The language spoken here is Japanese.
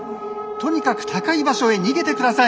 とにかく高い場所へ逃げてください。